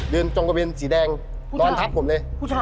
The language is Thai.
เดินจงกระเบียนสีแดงนอนทับผมเลยผู้ชาย